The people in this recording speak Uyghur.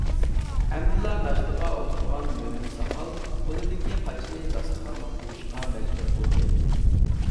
ئەمدىلا ناشتىغا ئولتۇرغان مۆمىن ساقال قولىدىكى قاچىنى داستىخانغا قويۇشقا مەجبۇر بولدى.